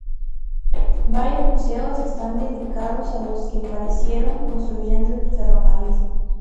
Varios museos están dedicados a los que perecieron construyendo el ferrocarril.